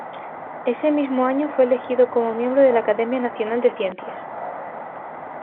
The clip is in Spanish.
Ese mismo año fue elegido como miembro de la Academia Nacional de Ciencias.